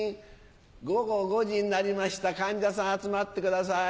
午後５時になりました患者さん集まってください。